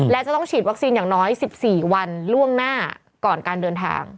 และจะต้องฉีดวัคซีนอย่างน้อย๑๔วันล่วงหน้าก่อนการเดินทาง